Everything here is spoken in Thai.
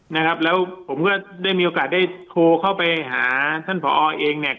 นะครับแล้วผมก็ได้มีโอกาสได้โทรเข้าไปหาท่านผอเองเนี่ย